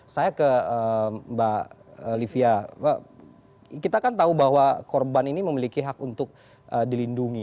saya ke mbak livia kita kan tahu bahwa korban ini memiliki hak untuk dilindungi